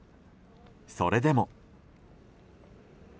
それでも。